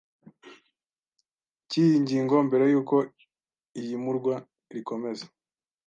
cy iyi ngingo mbere y uko iyimurwa rikomeza